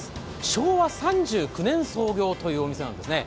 昭和３９年創業というお店なんですね。